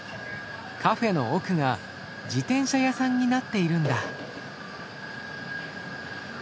カフェの奥が自転車屋さんになっているんだ。